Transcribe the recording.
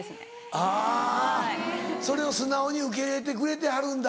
あぁそれを素直に受け入れてくれてはるんだ。